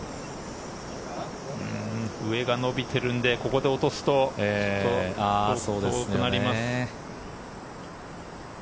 上が伸びているのでここで落とすとちょっと遠くなります。